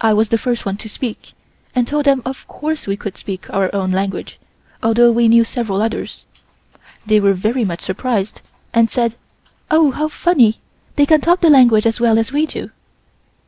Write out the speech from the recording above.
I was the first one to speak, and told them of course we could speak our own language, although we knew several others. They were very much surprised and said: "Oh! how funny, they can talk the language as well as we do."